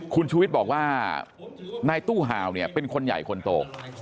คุณชุวิตบอกว่านายตู้หาวเป็นคนใหญ่คนโต